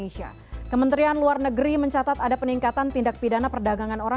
selamat malam mbak puspa